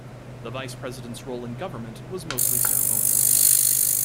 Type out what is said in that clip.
The Vice-President's role in government was mostly ceremonial.